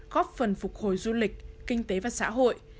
góp phần phục hồi du lịch kinh tế và xã hội